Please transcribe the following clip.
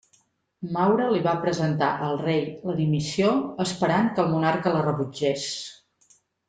Maura li va presentar al rei la dimissió, esperant que el monarca la rebutgés.